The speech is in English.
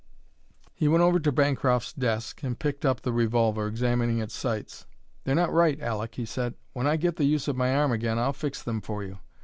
He went over to Bancroft's desk and picked up the revolver, examining its sights. "They're not right, Aleck," he said. "When I get the use of my arm again I'll fix them for you.